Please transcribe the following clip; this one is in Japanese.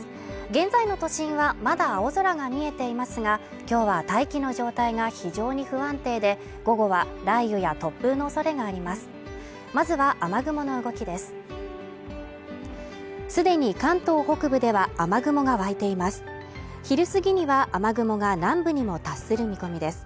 現在の都心はまだ青空が見えていますがきょうは大気の状態が非常に不安定で午後は雷雨や突風の恐れがあります